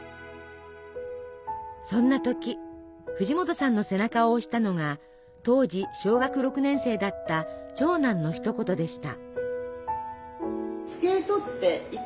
そんな時藤本さんの背中を押したのが当時小学６年生だった長男のひと言でした。